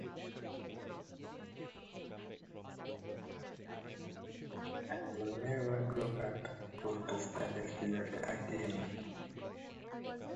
The procedure was performed by Doctor Jesse Bennett on his wife Elizabeth.